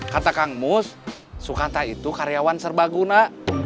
kata kang mus sukanta itu karyawan serba guna